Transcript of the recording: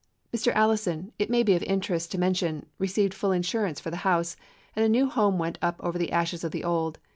Mr. Allison, it may be of interest to men tion, received full insurance for the house, and a new home went up over the ashes of the old.